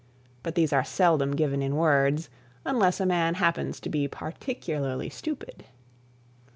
But these are seldom given in words unless a man happens to be particularly stupid.